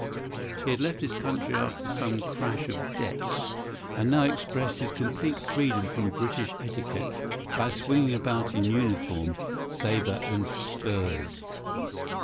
He had left his country after some crash of debts, and now expressed his complete freedom from British etiquette by swinging about in uniform, sabre and spurs.